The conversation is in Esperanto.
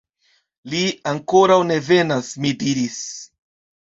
Li ankoraŭ ne venas, mi diris.